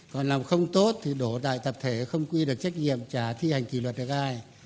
còn làm không tốt thì đổ đại tập thể không quy được trách nhiệm trả thi hành kỷ luật được ai